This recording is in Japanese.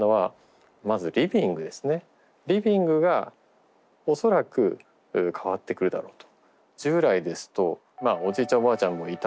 リビングが恐らく変わってくるだろうと。